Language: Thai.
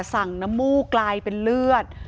น้ำมูกกลายเป็นเลือด